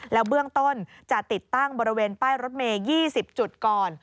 แล้วเบื้องต้นจะติดตั้งบริเวณป้ายรถเมย์๒๐จุดก่อน